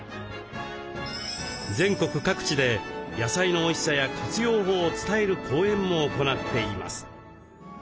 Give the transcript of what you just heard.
全国各地で野菜のおいしさや活用法を伝える講演も行っています。